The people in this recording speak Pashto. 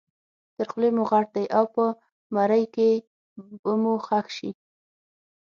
تر خولې مو غټ دی او په مرۍ کې به مو ښخ شي.